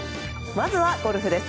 まずはゴルフです。